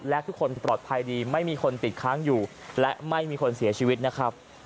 และทุกคนปลอดภัยดีไม่มีคนติดค้างอยู่และไม่มีคนเสียชีวิตนะครับ